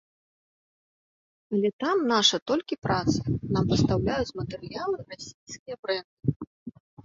Але там наша толькі праца, нам пастаўляюць матэрыялы расійскія брэнды.